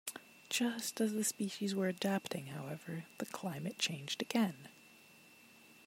Just as the species were adapting, however, the climate changed again.